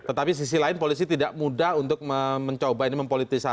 tetapi sisi lain polisi tidak mudah untuk mencoba ini mempolitisasi